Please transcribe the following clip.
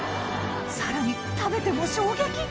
さらに食べても衝撃！